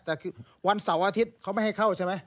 แต่วันเสาร์อาทิตย์เขาไม่ให้เข้าใช่ไหม